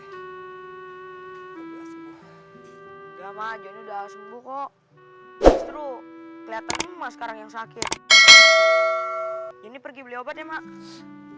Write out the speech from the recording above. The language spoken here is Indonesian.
nggak maju udah sembuh kok lu kelihatan rumah sekarang yang sakit ini pergi beli obat emang